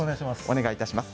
お願いいたします。